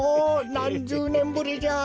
なんじゅうねんぶりじゃ。